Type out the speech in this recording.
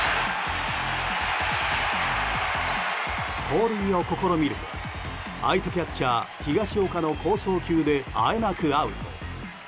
盗塁を試みるも相手キャッチャーヒガシオカの好送球であえなくアウト。